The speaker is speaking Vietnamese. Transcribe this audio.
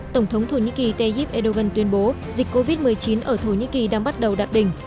tổng thống thổ nhĩ kỳ tayyip erdogan tuyên bố dịch covid một mươi chín ở thổ nhĩ kỳ đang bắt đầu đạt đỉnh